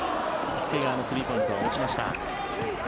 介川のスリーポイントは落ちました。